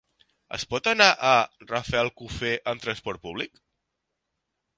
Es pot anar a Rafelcofer amb transport públic?